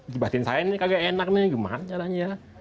jebatin saya ini kagak enak nih gimana caranya